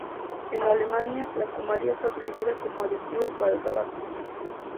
En Alemania, la cumarina está prohibida como aditivo para el tabaco.